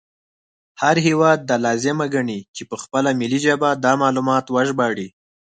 هر هیواد دا لازمه ګڼي چې په خپله ملي ژبه دا معلومات وژباړي